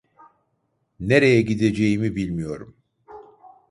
Nereye gideceğimi bilmiyorum.